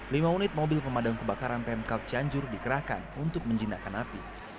lima unit mobil pemadam kebakaran pmk cianjur dikerahkan untuk menjinakkan api